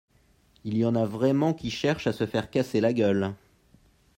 Il y en a vraiment qui cherchent à se faire casser la gueule